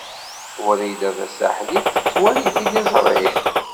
Wrida Tasaḥlit tettwali tiliẓri?